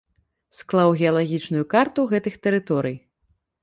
Склаў геалагічную карту гэтых тэрыторый.